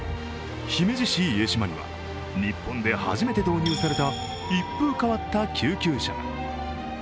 姫路市、家島には日本で初めて導入された一風変わった救急車が。